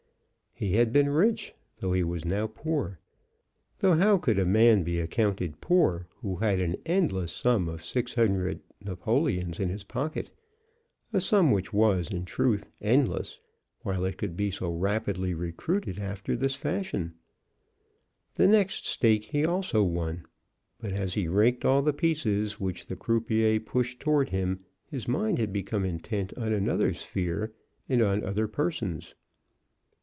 He had been rich, though he was now poor; though how could a man be accounted poor who had an endless sum of six hundred napoleons in his pocket, a sum which was, in truth, endless, while it could be so rapidly recruited in this fashion? The next stake he also won, but as he raked all the pieces which the croupier pushed toward him his mind had become intent on another sphere and on other persons.